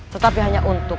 tetapi hanya untuk